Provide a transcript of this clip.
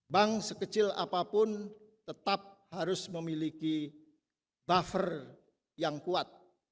bank sekecil apapun tetap harus memiliki buffer yang kuat